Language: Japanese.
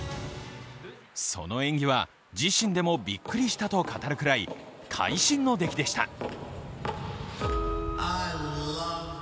その演技は、自身でもびっくりしたと語るくらい会心の出来でした。